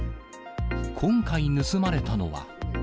今回、盗まれたのは。